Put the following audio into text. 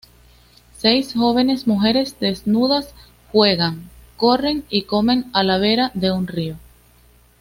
Seis jóvenes mujeres desnudas juegan, corren y comen a la vera de un río.